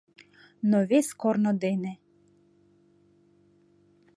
Но вес корно дене.